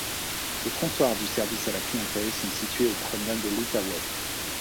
Les comptoirs du service à la clientèle sont situés aux Promenades de l'Outaouais.